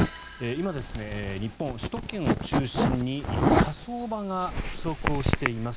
今、日本、首都圏を中心に火葬場が不足しています。